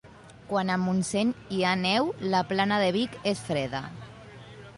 Quan a Montseny hi ha neu, la plana de Vic és freda.